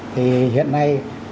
thì hiện nay